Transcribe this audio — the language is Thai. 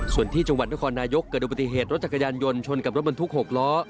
ส่วนที่จังหวัดนครนายกเกิดอุบัติเหตุรถจักรยานยนต์ชนกับรถบรรทุก๖ล้อ